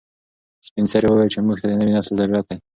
سپین سرې وویل چې موږ ته د نوي نسل ضرورت دی.